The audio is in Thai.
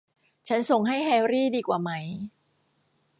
ฉันส่งให้แฮรี่ดีกว่าไหม ?